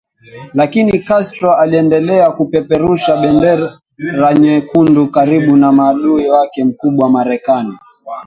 lakini Castro aliendelea kupeperusha bendera nyekundu karibu na maadui wake mkubwa Marekani